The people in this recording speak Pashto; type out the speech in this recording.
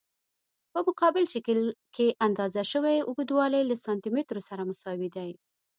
په مقابل شکل کې اندازه شوی اوږدوالی له سانتي مترو سره مساوي دی.